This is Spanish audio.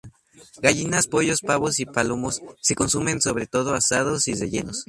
Gallinas, pollos, pavos y palomos se consumen sobre todo asados y rellenos.